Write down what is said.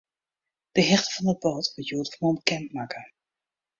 De hichte fan dat bod wurdt hjoed of moarn bekendmakke.